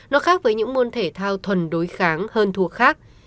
nó khác với những môn thể thao thuần đối kháng hơn thuộc khác